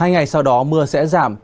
hai ngày sau đó mưa sẽ giảm